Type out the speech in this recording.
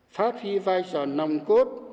phát huy vai trò nòng cốt